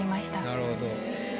なるほど。